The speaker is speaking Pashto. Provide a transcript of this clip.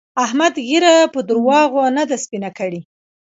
احمد ږيره په درواغو نه ده سپينه کړې.